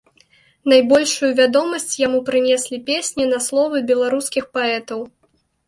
Найбольшую вядомасць яму прынеслі песні на словы беларускіх паэтаў.